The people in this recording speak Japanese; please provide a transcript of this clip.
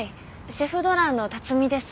シェフ・ド・ランの辰見です。